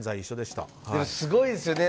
すごいですよね。